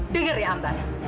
dengar ya mbak